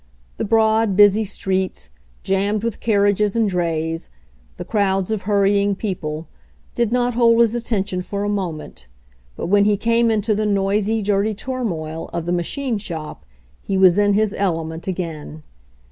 The broad, busy streets, jammed with carriages and drays, the crowds of hurrying people, did not hold his attention for a moment, but when he came into the noisy, dirty turmoil of the machine shop he was in his element again.